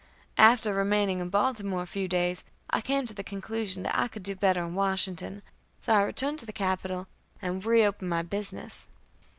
After remaining in Baltimore a few days, I came to the conclusion that I could do better in Washington; so I returned to the capital, and reopened my business.